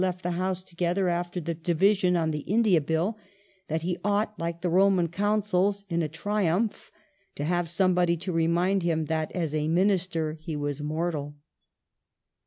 298 DOMESTIC ADMINISTRATION [1856 left the House together after the division on the India Bill, that he ought, like the Roman Consuls in a tiiumph, to have somebody to remind him that, as a Minister, he was mortal.